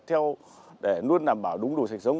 theo để luôn đảm bảo đúng đủ sạch sống